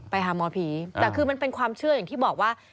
ไปหาหมอผีแต่คือมันเป็นความเชื่ออย่างที่บอกว่า